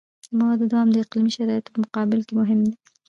د موادو دوام د اقلیمي شرایطو په مقابل کې مهم دی